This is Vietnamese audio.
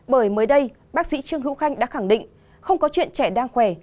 bởi mới đây bác sĩ trương hữu khanh đã khẳng định không có chuyện trẻ đang khỏe